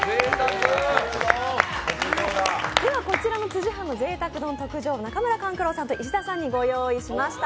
こちらのつじ半のぜいたく丼特上中村勘九郎さんと石田さんにご用意しました。